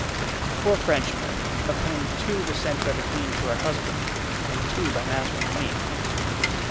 "The four Frenchmen, of whom two were sent by the queen to her husband and two by Mazarin to me."